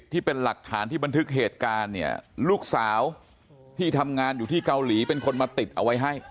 ที่เป็นหลักฐานที่บันทึกเหตุการณ์เนี่ยลูกสาวที่ทำงานอยู่ที่เกาหลีเป็นคนมาติดเอาไว้ให้